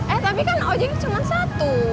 eh tapi kan oj ini cuman satu